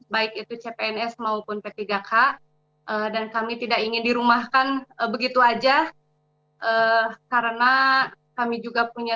baik itu cpns maupun p tiga k dan kami tidak ingin dirumahkan begitu aja karena kami juga punya